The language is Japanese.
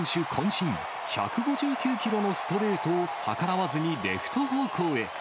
身、１５９キロのストレートを、逆らわずにレフト方向へ。